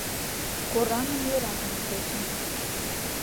Кораҥын йӧратымыж дечын.